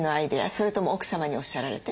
それとも奥様におっしゃられて？